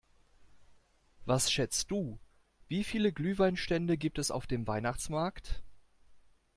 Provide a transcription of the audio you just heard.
Was schätzt du, wie viele Glühweinstände gibt es auf dem Weihnachtsmarkt?